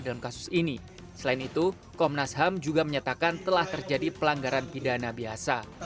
dalam kasus ini selain itu komnas ham juga menyatakan telah terjadi pelanggaran pidana biasa